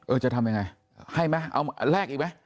จะทำยังไงให้ไหมเอาแลกอีกไหม